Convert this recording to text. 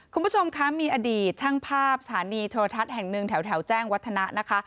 คุณผู้ชมคะมีอดีตช่างภาพสถานีโทรทัศน์แห่งหนึ่งแถวแจ้งวัฒนะนะคะ